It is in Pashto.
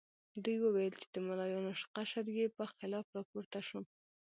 دوی وویل چې د ملایانو قشر یې په خلاف راپورته شو.